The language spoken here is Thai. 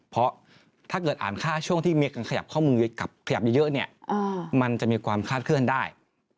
เพราะถ้าเกิดอ่านค่าช่วงที่มีการขยับข้อมือกับขยับเยอะเนี่ยมันจะมีความคาดเคลื่อนได้